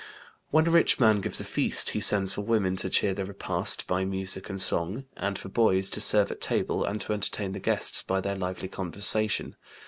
When a rich man gives a feast he sends for women to cheer the repast by music and song, and for boys to serve at table and to entertain the guests by their lively conversation.